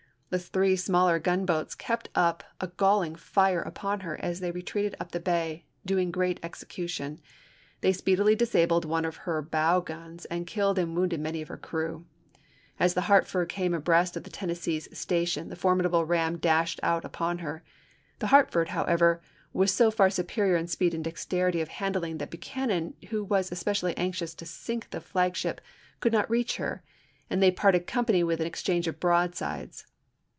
The three smaller gunboats kept up a galling fire upon her as they retreated up the bay, doing great execution. They speedily disabled one of her bow guns and killed and wounded many of her crew. As the Hartford came abreast of the Tennessee's station the formidable ram dashed out upon her. The Hartford, however, was so far superior in speed and dexterity of hand ling that Buchanan, who was especially anxious to sink the flagship, could not reach her, and they parted company with an exchange of broadsides.